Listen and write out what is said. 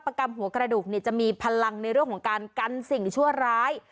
กรรมหัวกระดูกจะมีพลังในเรื่องของการกันสิ่งชั่วร้าย